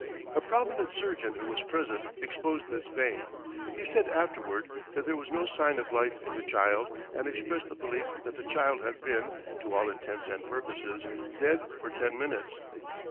A prominent surgeon who was present exposed this vein. He said afterward that there was no sign of life in the child, and expressed the belief that the child had been, to all intents and purposes, dead for ten minutes.